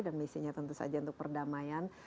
dan misinya tentu saja untuk perdamaian